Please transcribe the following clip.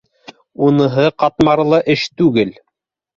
Уныһы ҡатмарлы эш түгел